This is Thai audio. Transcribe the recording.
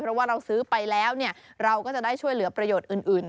เพราะว่าเราซื้อไปแล้วเราก็จะได้ช่วยเหลือประโยชน์อื่น